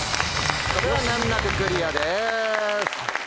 これは難なくクリアです。